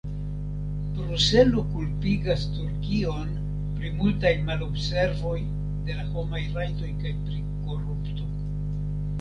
Bruselo kulpigas Turkion pri multaj malobservoj de la homaj rajtoj kaj pri korupto.